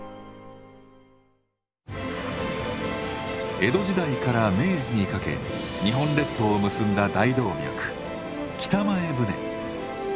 江戸時代から明治にかけ日本列島を結んだ大動脈北前船。